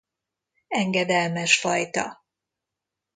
Engedelmes fajta.